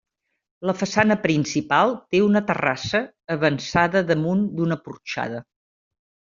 La façana principal té una terrassa avençada damunt d'una porxada.